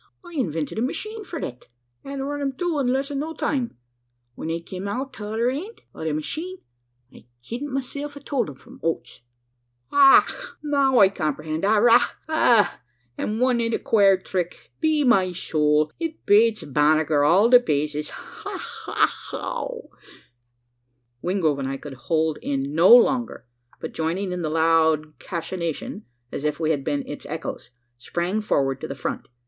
I invented a machine for thet, an' run 'em through in less'n no time. When they kim out at t'other eend o' the machine, I kednt meself a told 'em from oats!" "Och! now I comprehend. Arrah! an' wasn't it a quare thrick? Be my sowl, it bates Bannagher all to paces! Ha, ha, haw!" Wingrove and I could hold in no longer, but joining in the loud cachinnation as if we had been its echoes sprang forward to the front.